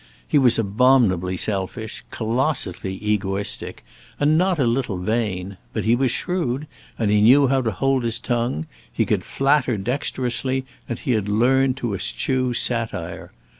He was abominably selfish, colossally egoistic, and not a little vain; but he was shrewd; he knew how to hold his tongue; he could flatter dexterously, and he had learned to eschew satire.